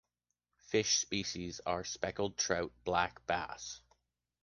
Fish species are speckled trout, black bass.